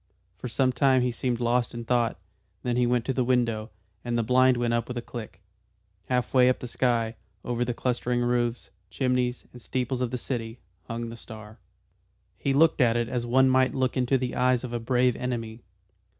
For some time he seemed lost in thought. Then he went to the window, and the blind went up with a click. Half way up the sky, over the clustering roofs, chimneys and steeples of the city, hung the star. He looked at it as one might look into the eyes of a brave enemy.